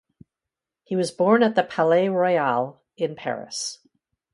He was born at the Palais Royal, in Paris.